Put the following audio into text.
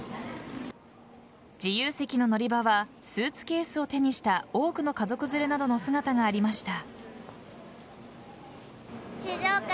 自由席の乗り場はスーツケースを手にした多くの家族連れなどの姿がありました。